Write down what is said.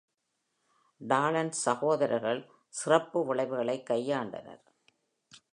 டாலன்ஸ் சகோதரர்கள் சிறப்பு விளைவுகளை கையாண்டனர்.